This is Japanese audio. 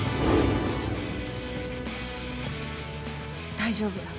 大丈夫。